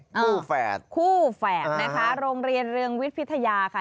คู่แฝดคู่แฝดนะคะโรงเรียนเรืองวิทย์พิทยาค่ะ